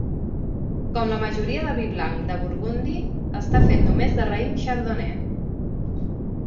Com la majoria del vi blanc de Burgundy, està fet només de raïm Chardonnay.